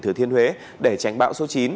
thứ thiên huế để tránh bão số chín